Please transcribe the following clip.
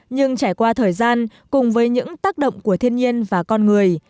nhưng trải qua thời gian cùng với những tác động của thiên nhiên và con người